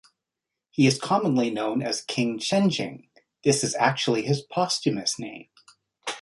He is commonly known as King Shenjing; this was actually his posthumous name.